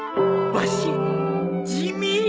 わし地味？